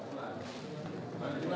dan jam sebelas